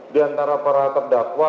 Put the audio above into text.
di antara para terdakwa